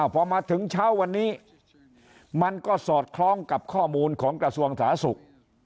พอมาถึงเช้าวันนี้มันก็สอดคล้องกับข้อมูลของกระทรวงสาธารณสุข